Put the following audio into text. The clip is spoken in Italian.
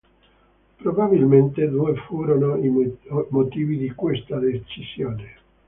Probabilmente due furono i motivi di questa decisione.